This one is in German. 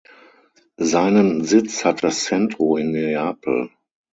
Seinen Sitz hat das Centro in Neapel.